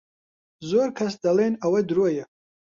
زۆر کەس دەڵێن ئەوە درۆیە.